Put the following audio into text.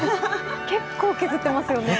結構削ってますよね。